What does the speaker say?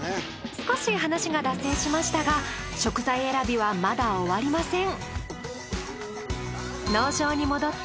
少し話が脱線しましたが食材選びはまだ終わりません。